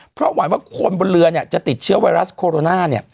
เพราะหวังว่าคนบนเรือเนี่ยจะติดเชื้อไวรัสโคโรนาเนี่ย